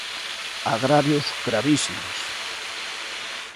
Agravios gravísimos.